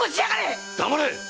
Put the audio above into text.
黙れ！